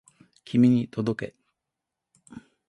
君に届け